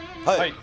はい！